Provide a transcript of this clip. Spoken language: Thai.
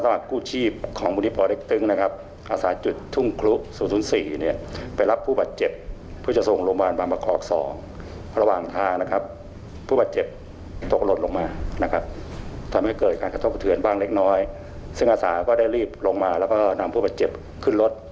ทำให้เกิดการกระทบเถือนบ้างเล็กน้อยซึ่งอาสาก็ได้รีบลงมาแล้วก็นำผู้บาดเจ็บขึ้นรถ